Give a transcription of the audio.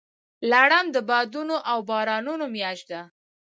لړم د بادونو او بارانونو میاشت ده.